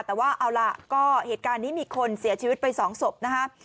แต่ว่าเอาล่ะก็เหตุการณ์นี้มีคนเสียชีวิตไป๒ศพนะครับ